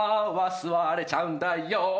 座れちゃうんだよ